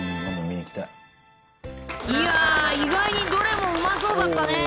意外にどれもうまそうだったね。